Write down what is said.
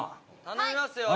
頼みますよ。